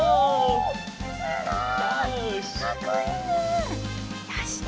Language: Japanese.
おすごい！